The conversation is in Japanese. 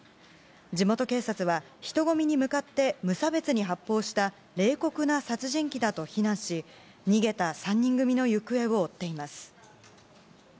地元警察は、人混みに向かって無差別に発砲した冷酷な殺人鬼だと非難し逃げた３人組の行方を追っています。